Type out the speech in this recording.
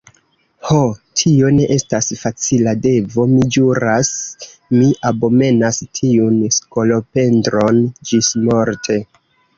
Ho, tio ne estas facila devo, mi ĵuras: mi abomenas tiun skolopendron ĝismorte.